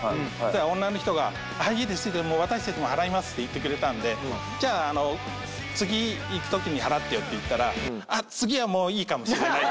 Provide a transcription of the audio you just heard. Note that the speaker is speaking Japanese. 女の人が「あっいいです」「私たちも払います」って言ってくれたんで「じゃああの次行くときに払ってよ」って言ったら「あっ次はもういいかもしれない」